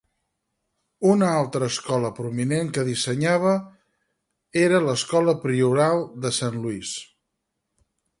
Una altra escola prominent que dissenyava era l'escola Prioral de Saint Louis.